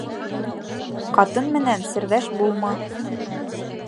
Ҡатын менән серҙәш булма.